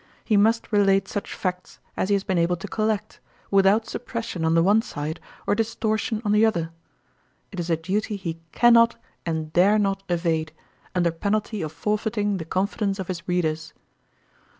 He must re late such facts as he has been able to collect, without suppression on the one side or distor foil an& OTonntcrfoii. 115 tion on the other. It is a duty lie can not and dare not evade, under penalty of forfeiting the confidence of his readers.